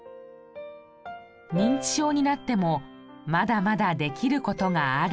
認知症になってもまだまだできる事がある。